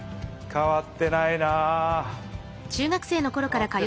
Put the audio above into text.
変わってないな。